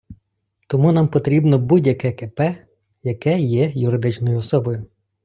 Тому нам потрібно будь-яке КП, яке є юридичною особою.